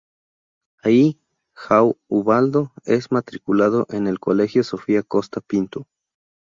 Ahí João Ubaldo es matriculado en el Colegio Sofia Costa Pinto.